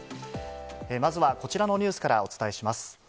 まずはこちらのニュースからお伝えします。